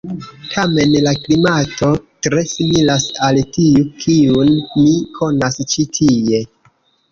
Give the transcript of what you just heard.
Tamen la klimato tre similas al tiu, kiun mi konas ĉi tie.